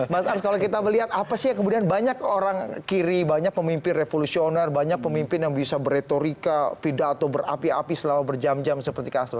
mas ars kalau kita melihat apa sih yang kemudian banyak orang kiri banyak pemimpin revolusioner banyak pemimpin yang bisa beretorika pidato berapi api selama berjam jam seperti castro